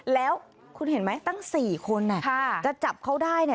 แล้วคุณเห็นไหมตั้งสี่คนน่ะค่ะจะจับเขาได้น่ะ